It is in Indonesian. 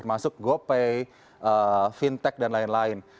termasuk gopay fintech dan lain lain